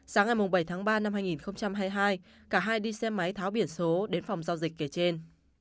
sáng ngày bảy tháng ba năm hai nghìn hai mươi hai cả hai đi xe máy tháo biển số đến phòng giao dịch kể trên